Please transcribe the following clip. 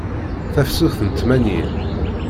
Tafsut n tmanyin.